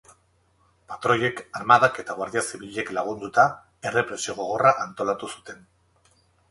Patroiek, armadak eta Guardia Zibilek lagunduta, errepresio gogorra antolatu zuten.